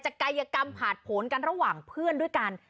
กายกรรมผ่านผลกันระหว่างเพื่อนด้วยกัน